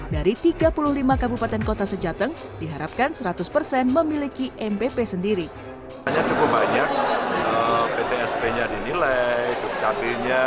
dari tiga puluh lima kabupaten kota sejateng diharapkan seratus persen memiliki mbp sendiri